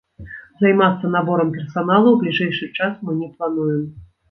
Займацца наборам персаналу ў бліжэйшы час мы не плануем.